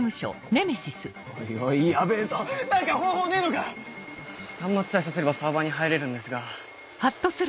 おいおいヤベェぞ何か方法ねえのか⁉端末さえ挿せればサーバーに入れるんですが。